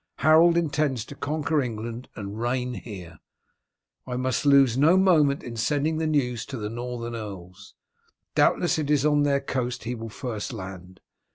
Harold intends to conquer England and reign here. I must lose no moment in sending the news to the northern earls. Doubtless it is on their coast he will first land.